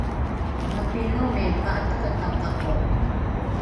mapinomi pa’atakataka’o?